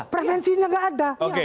prevensinya tidak ada